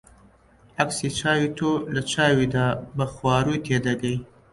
عەکسی چاوی تۆ لە چاویدا بە خواری تێدەگەی